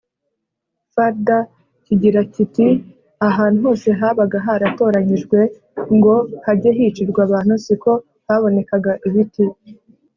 Fulda kigira kiti ahantu hose habaga haratoranyijwe ngo hajye hicirwa abantu si ko habonekaga ibiti